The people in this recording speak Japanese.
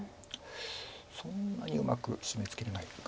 そんなにうまくシメツケれないのか。